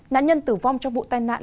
nạn nhân tử vong trong vụ tai nạn